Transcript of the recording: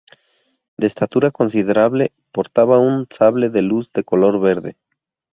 De estatura considerable, portaba un sable de luz de color verde.